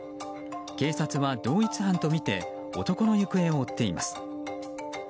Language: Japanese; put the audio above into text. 警察は同一犯とみて男の行方を追っています。